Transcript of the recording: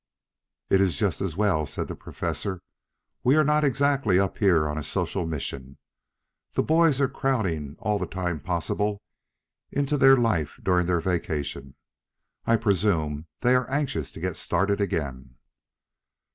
"It is just as well," said the Professor. "We are not exactly up here on a social mission. The boys are crowding all the time possible into their life during their vacation. I presume they are anxious to get started again."